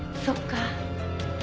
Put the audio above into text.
そっか。